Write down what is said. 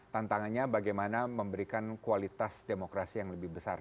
tantangannya bagaimana memberikan kualitas demokrasi yang lebih besar